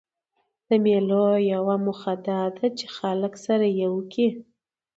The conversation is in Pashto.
د مېلو یوه موخه دا ده، چي خلک سره یو کي.